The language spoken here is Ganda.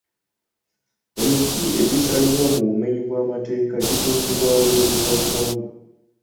Emiti egisalibwa mu bumenyi bw'amateeka gitundibwa bweru wa ggwanga.